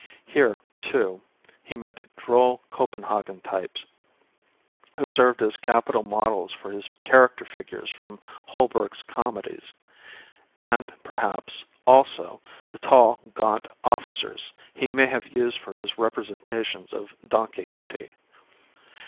Here, too, he met droll Copenhagen tjrpes, who served as capital models for his character figures from Holberg's comedies, and perhaps, also, the tall, gaunt officers he may have used for his representations of Don Quixote.